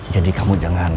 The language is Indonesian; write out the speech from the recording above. jadi kamu jangan